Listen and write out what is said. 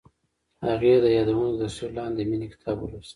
هغې د یادونه تر سیوري لاندې د مینې کتاب ولوست.